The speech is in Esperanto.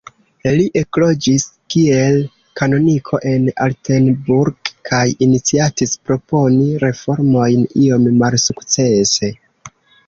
Li ekloĝis kiel kanoniko en Altenburg, kaj iniciatis proponi reformojn, iom malsukcese.